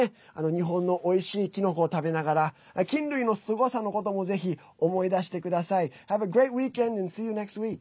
日本のおいしいキノコを食べながら菌類のすごさのこともぜひ、思い出してください。